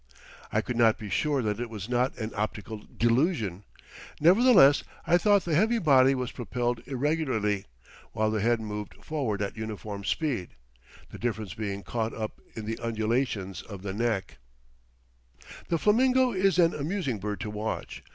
I could not be sure that it was not an optical delusion. Nevertheless, I thought the heavy body was propelled irregularly, while the head moved forward at uniform speed, the difference being caught up in the undulations of the neck. FIGURE Flamingos on Lake Parinacochas, and Mt. Sarasara The flamingo is an amusing bird to watch.